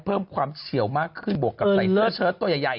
เพิ่มความเฉียวมากขึ้นบวกกับใต้เชิด